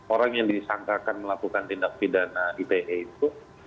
orang yang disangkakan melakukan tindak pidana ipe itu